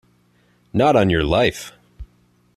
Not on your life!